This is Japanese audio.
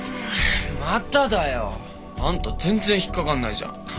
まただよ。あんた全然引っ掛かんないじゃん。